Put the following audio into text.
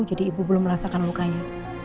ibu belum merasakan lukanya